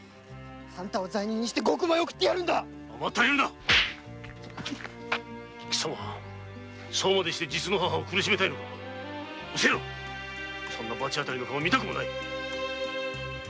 あんたを罪人にして獄門に送ってやる甘ったれるな貴様はそうまでして実の母を苦しめたいのか失せろそんな罰あたりの顔見たくもない。